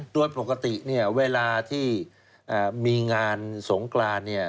โดยปกติเวลาที่มีงานสงคราน